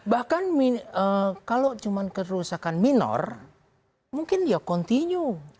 bahkan kalau cuma kerusakan minor mungkin ya continue